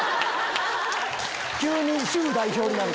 急に主婦代表になる。